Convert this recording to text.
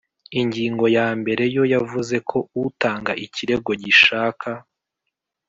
Ingingo ya mbere yo yavuze ko Utanga ikirego gishaka